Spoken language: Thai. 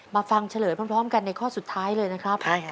ฟังเฉลยพร้อมกันในข้อสุดท้ายเลยนะครับ